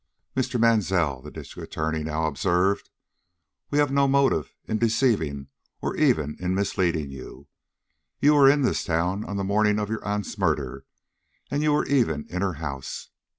"Mr. Mansell," the District Attorney now observed, "we have no motive in deceiving or even in misleading you. You were in this town on the morning of your aunt's murder, and you were even in her house.